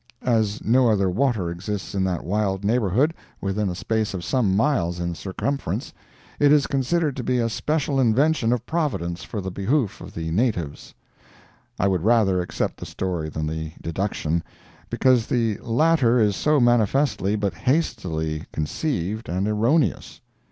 As no other water exists in that wild neighborhood, within a space of some miles in circumference, it is considered to be a special invention of Providence for the behoof of the natives. I would rather accept the story than the deduction, because the latter is so manifestly but hastily conceived and erroneous.